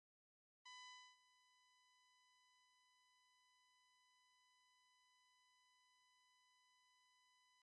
These elements originally supported an architrave and roof which have disappeared.